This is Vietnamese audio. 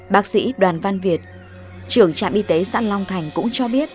bác sĩ đoàn văn việt trưởng trạm y tế xã long thành cũng cho biết